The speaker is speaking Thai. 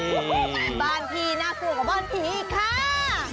บ้านพี่น่ากลัวกับบ้านผีค่ะ